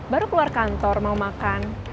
baru keluar kantor mau makan